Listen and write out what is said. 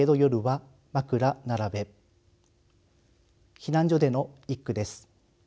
避難所での一句です。